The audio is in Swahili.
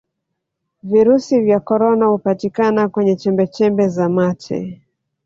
virusi vya korona hupatikana kwenye chembechembe za mate